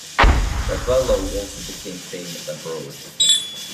Rabello also became famous abroad.